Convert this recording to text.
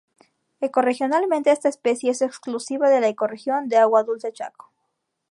Ecorregionalmente esta especie es exclusiva de la ecorregión de agua dulce Chaco.